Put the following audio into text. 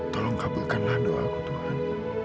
tolong kabulkanlah doaku tuhan